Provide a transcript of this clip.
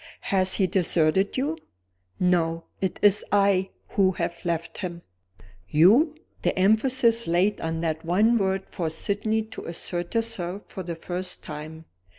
"Has he deserted you?" "No. It is I who have left him." "You!" The emphasis laid on that one word forced Sydney to assert herself for the first time.